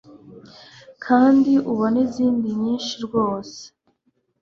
kandi ubone izindi nyinshi rwose